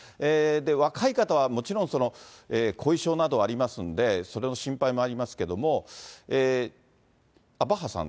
若い方はもちろん、後遺症などありますんで、それの心配もありますけども、あ、バッハさん、